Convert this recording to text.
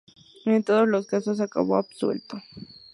En todos los casos acabó absuelto.